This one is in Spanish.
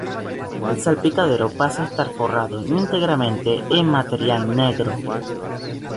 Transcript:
El salpicadero pasa a estar forrado íntegramente en material negro.